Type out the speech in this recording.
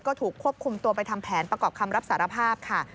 ก็ถูกควบคุมตัวไปทำแผนประกอบคำรับสารภาพค่ะ